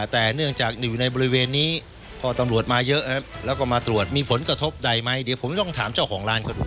แต่เนื่องจากอยู่ในบริเวณนี้พอตำรวจมาเยอะแล้วก็มาตรวจมีผลกระทบใดไหมเดี๋ยวผมต้องถามเจ้าของร้านเขาดู